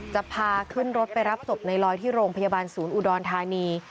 จะพาขึ้นรถไปรับศพในลอยที่โรงพยาบาลศูนย์อุดรธานี